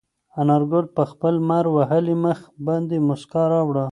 انارګل په خپل لمر وهلي مخ باندې موسکا راوړه.